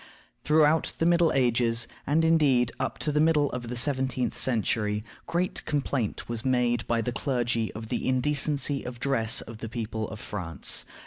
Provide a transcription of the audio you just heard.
Throughout the Middle Ages, and, indeed, up to the middle of the seventeenth century, great complaint was made by the clergy of the indecency of the dress of the people of France.